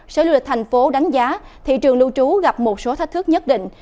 sở du lịch thành phố đánh giá thị trường lưu trú gặp một số thách thức nhất định